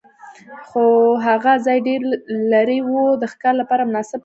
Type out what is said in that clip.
خو هغه ځای ډېر لرې و، د ښکار لپاره مناسب نه و.